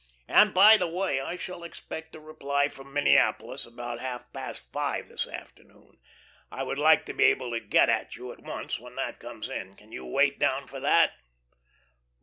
And, by the way, I shall expect a reply from Minneapolis about half past five this afternoon. I would like to be able to get at you at once when that comes in. Can you wait down for that?"